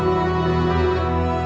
mau sampai kapan